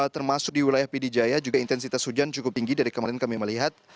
termasuk di wilayah pidijaya juga intensitas hujan cukup tinggi dari kemarin kami melihat